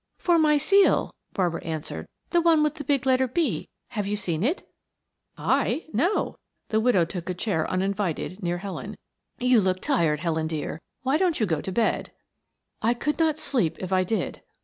"For my seal," Barbara answered. "The one with the big letter 'B.' Have you seen it?" "I? No." The widow took a chair uninvited near Helen. "You look tired, Helen dear; why don't you go to bed?" "I could not sleep if I did."